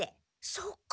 そっか。